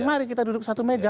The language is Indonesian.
mari kita duduk satu meja